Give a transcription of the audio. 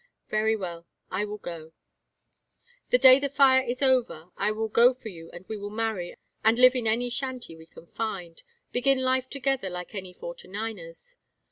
"Very well, I will go." "The day the fire is over I will go for you and we will marry and live in any shanty we can find begin life together like any Forty niners.